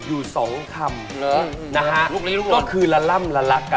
มีเรื่องสังเทพแรก